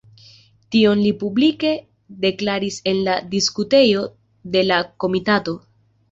Tion li publike deklaris en la diskutejo de la komitato.